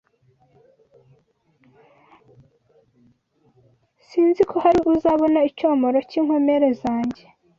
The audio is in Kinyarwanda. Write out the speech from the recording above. Sinzi ko hari uzabono icyomoro cy, inkomere zanjye